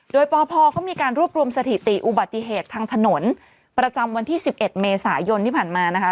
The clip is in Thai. โดยปพเขามีการรวบรวมสถิติอุบัติเหตุทางถนนประจำวันที่๑๑เมษายนที่ผ่านมานะคะ